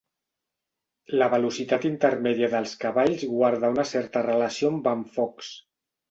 La velocitat intermèdia dels cavalls guarda una certa relació amb en Fox.